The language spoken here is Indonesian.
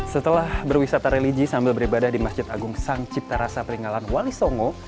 setelah berwisata religi sambil beribadah di masjid agung sang cipta rasa peringgalan wali songo